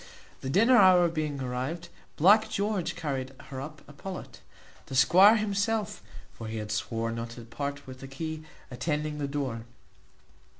The dinner hour being arrived, Black George carried her up a pullet, the squire himself (for he had sworn not to part with the key) attending the door.